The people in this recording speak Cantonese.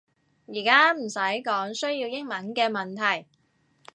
而家唔使講需要英文嘅問題